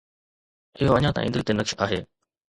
اهو اڃا تائين دل تي نقش آهي.